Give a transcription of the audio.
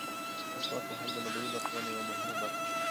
مسواک وهل د نبوي لارښوونو یوه مهمه برخه ده.